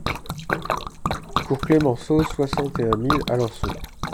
Cours Clemenceau, soixante et un mille Alençon